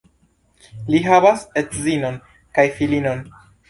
Li havas edzinon kaj filinon.